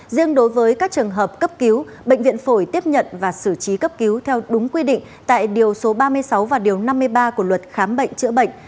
riêng đối với các trường hợp cấp cứu bệnh viện phổi tiếp nhận và xử trí cấp cứu theo đúng quy định tại điều số ba mươi sáu và điều năm mươi ba của luật khám bệnh chữa bệnh